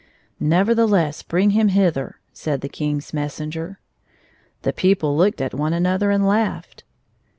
"Nevertheless, hring him hither," said the King's messenger. The people looked at one another, and laughed.